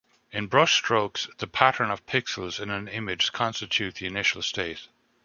In Brush Strokes, the pattern of pixels in an image constitute the initial state.